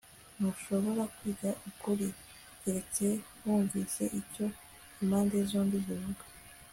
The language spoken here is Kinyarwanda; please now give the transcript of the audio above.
ntushobora kwiga ukuri keretse wunvise icyo impande zombi zivuga